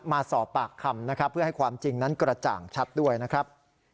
มาสอบปากคำนะครับเพื่อให้ความจริงนั้นกระจ่างชัดด้วยนะครับ